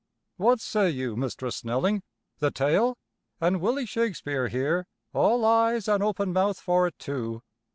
What say you, Mistress Snelling? The tale? An' Willy Shakespeare here, all eyes and open mouth for it, too?